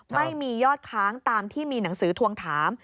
ไม่มียอดค้างตามที่มีหนังสือทวงถาม